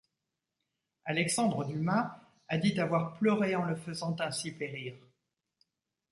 Alexandre Dumas a dit avoir pleuré en le faisant ainsi périr.